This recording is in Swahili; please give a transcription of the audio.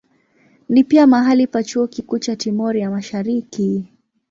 Ni pia mahali pa chuo kikuu cha Timor ya Mashariki.